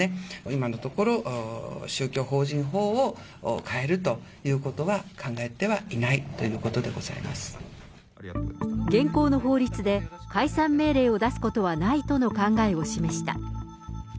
今のところ、宗教法人法を変えるということは考えてはいないということでござ現行の法律で、解散命令を出すことはないとの考えを示した。